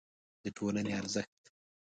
د ټولنې ارزښت